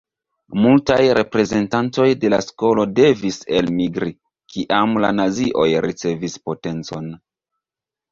Multaj reprezentantoj de la skolo devis elmigri, kiam la nazioj ricevis potencon.